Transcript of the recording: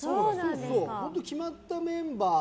本当、決まったメンバー。